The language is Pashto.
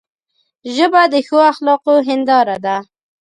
ژبه د ښو اخلاقو هنداره ده